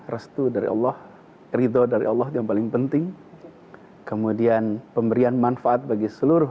restu dari allah ridho dari allah yang paling penting kemudian pemberian manfaat bagi seluruh